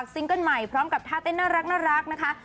เกิ้ลใหม่พร้อมกับท่าเต้นน่ารักนะคะ